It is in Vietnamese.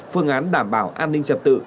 phương án đảm bảo an ninh trật tự